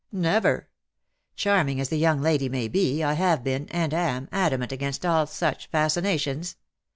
" Never. Charming as the young lady may be, I have been, and am, adamant against all such fascina tious.